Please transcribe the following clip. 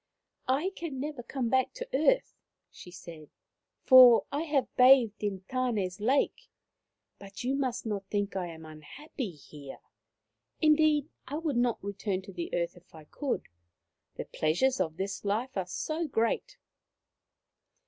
" I can never come back to the earth," she said, " for I have bathed in Tank's lake ; but you must On the Moon 145 not think I am unhappy here. Indeed, I would not return to the earth if I could, the pleasures of this life are so great.